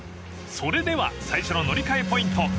［それでは最初の乗り換えポイント